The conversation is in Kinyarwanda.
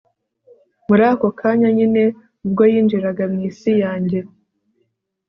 muri ako kanya nyine ubwo yinjiraga mu isi yanjye